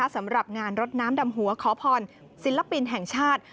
สำหรับงานรดน้ำดำหัวขอพรศิลปินแห่งชาติ